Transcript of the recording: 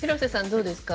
どうですか？